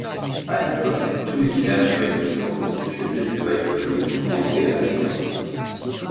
À l'époque tous les villages réunis pour constituer cette nouvelle commune comptaient habitants.